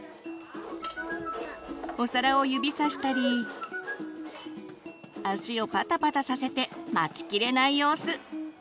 お皿を指さしたり足をパタパタさせて待ちきれない様子！